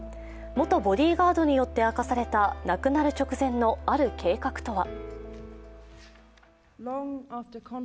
元ボディーガードによって明かされた亡くなる直前のある計画とは？